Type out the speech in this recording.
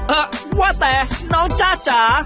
เออว่าแต่น้องจ้าจ๋า